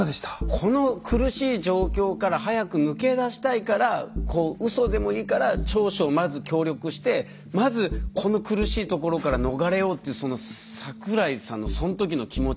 この苦しい状況から早く抜け出したいからウソでもいいから調書をまず協力してまずこの苦しいところから逃れようっていう桜井さんのそんときの気持ち。